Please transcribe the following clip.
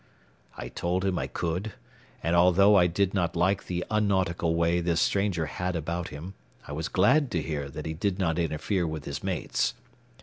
I told him I could; and although I did not like the unnautical way this stranger had about him, I was glad to hear that he did not interfere with his mates.